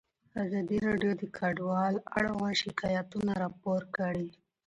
ازادي راډیو د کډوال اړوند شکایتونه راپور کړي.